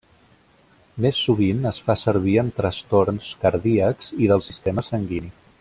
Més sovint es fa servir en trastorns cardíacs i del sistema sanguini.